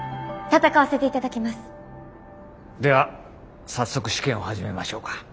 では早速試験を始めましょうか。